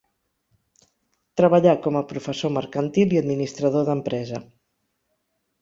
Treballà com a professor mercantil i administrador d'empresa.